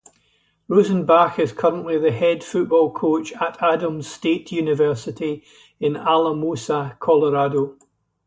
Rosenbach is currently the head football coach at Adams State University in Alamosa, Colorado.